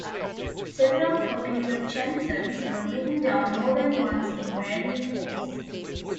Several popular "chansons" were written down more than once in varying forms.